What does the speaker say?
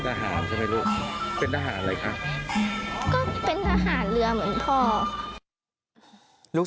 ทหารใช่ไหมลูกเป็นทหารอะไรคะก็เป็นทหารเรือเหมือนพ่อค่ะลูก